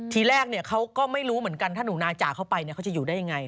ทีแรกเขาก็ไม่รู้เหมือนกันถ้าหนูนาจ่าเข้าไปเขาจะอยู่ได้ยังไง